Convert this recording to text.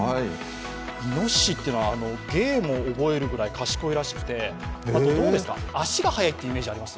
いのししってのは、芸も覚えるくらい賢いらしくて、あと足が速いというイメージあります？